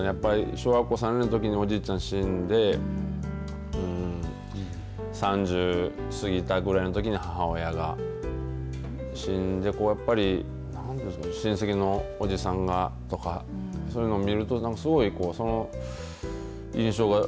小学校３年の時におじいちゃんが死んで３０過ぎたぐらいのときに母親が死んでこうやっぱり親戚のおじさんが、とかそういうの見るとすごい印象が。